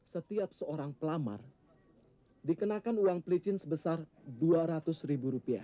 setiap seorang pelamar dikenakan uang pelicin sebesar rp dua ratus ribu rupiah